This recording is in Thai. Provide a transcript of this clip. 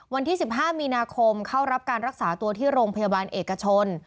วันที่๑๕มีนาคมเข้ารับการรักษาตัวที่โรงพยาบาลเอกชน